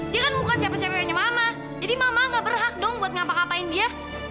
dia kan bukan siapa siapa yang punya mama jadi mama gak berhak dong buat ngapa ngapain dia